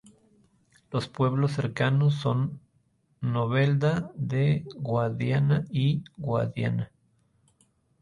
Los pueblos cercanos son Novelda del Guadiana y Guadiana.